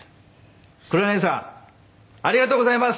黒柳さんありがとうございます！